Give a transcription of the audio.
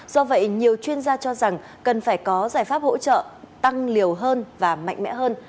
do vậy nhiều chuyên gia cho rằng cần phải có giải pháp hỗ trợ tăng liều hơn và mạnh mẽ hơn